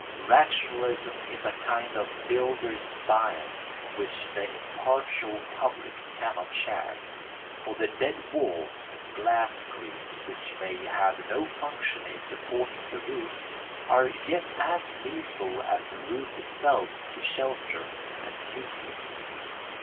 Rationalism is a kind of builder's bias which the impartial public cannot share; for the dead walls and glass screens which may have no function in supporting the roof are yet as needful as the roof itself to shelter and beauty.